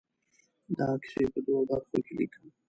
دا کیسې په دوو برخو کې ليکم.